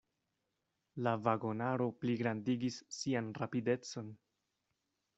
La vagonaro pligrandigis sian rapidecon.